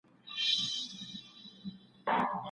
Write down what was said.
ایا نوي کروندګر پسته صادروي؟